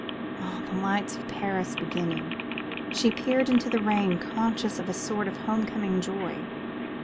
Ah, the lights of Paris beginning! She peered into the rain, conscious of a sort of home coming joy.